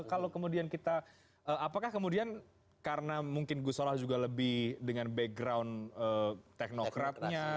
apakah kemudian karena mungkin ghosnola juga lebih dengan background teknokratnya